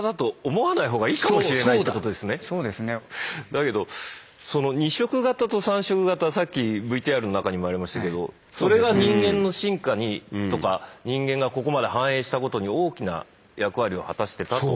だけどその２色型と３色型さっきＶＴＲの中にもありましたけどそれが人間の進化にとか人間がここまで繁栄したことに大きな役割を果たしてたと。